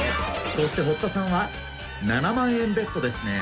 そして堀田さんは７万円ベットですね。